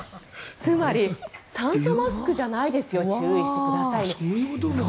つまり酸素マスクじゃないですよ注意してくださいね。